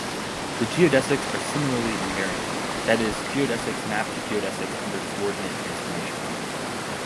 The geodesics are similarly invariant: that is, geodesics map to geodesics under coordinate transformation.